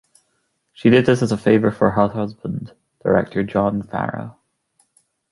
She did it as a favor for her husband, director John Farrow.